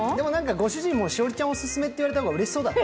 ご主人も、栞里ちゃんオススメって言われた方がうれしそうだった。